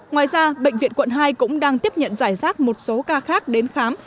ngoài ra bệnh viện quận hai cũng đang tiếp nhận giải rác một số ca khác đến khám